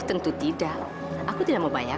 tentu tidak aku tidak mau bayar